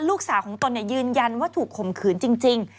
ลูกสาวของตนยืนยันว่าถูกข่มขืนจริง